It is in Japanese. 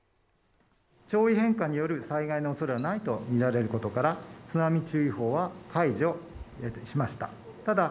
潮位変化による災害のおそれはないと見られることから、津波注意報は解除しました。